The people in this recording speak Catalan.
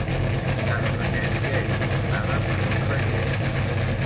Cada regència és governada per un regent.